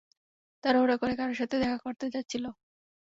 তাড়াহুড়ো করে কারো সাথে দেখা করতে যাচ্ছিল।